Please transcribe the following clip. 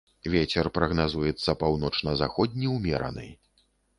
Вецер прагназуецца паўночна-заходні ўмераны.